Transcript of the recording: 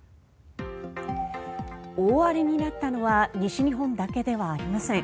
大荒れになったのは西日本だけではありません。